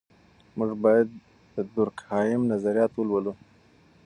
موږ باید د دورکهایم نظریات ولولو.